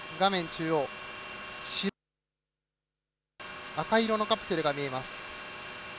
中央、赤い色のカプセルが見えます。